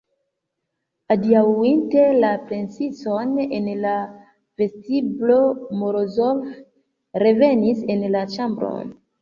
Adiaŭinte la princon en la vestiblo, Morozov revenis en la ĉambron.